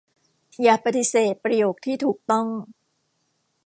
อย่าปฏิเสธประโยคที่ถูกต้อง